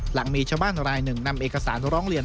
หลังมีชาวบ้านรายหนึ่งนำเอกสารร้องเรียน